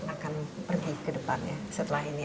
akan pergi ke depannya setelah ini